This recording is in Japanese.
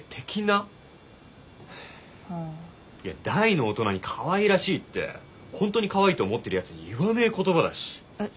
大の大人にかわいらしいって本当にかわいいと思ってるやつに言わねえ言葉だし。